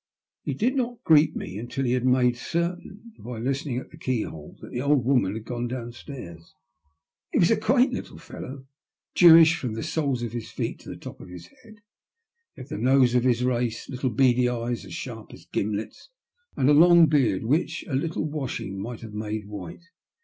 He did not greet me until he had made certain, by listen ing at the keyhole, that the old woman had gone downstairs. He was a quaint little fellow, Jewish from the soles of his feet to the top of his head. He had the nose of his race, little beady eyes as sharp as gimlets, and a long beard which a little washing might have made white.